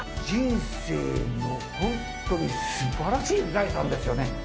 人生の本当にすばらしい財産ですよね。